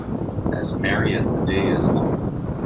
As merry as the day is long